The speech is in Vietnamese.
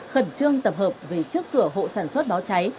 khẩn trương tập hợp về trước cửa hộ sản xuất báo cháy